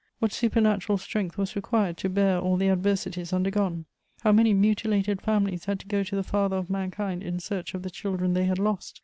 What supernatural strength was required to bear all the adversities undergone! How many mutilated families had to go to the Father of mankind in search of the children they had lost!